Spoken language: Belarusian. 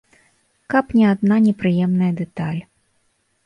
Каб не адна непрыемная дэталь.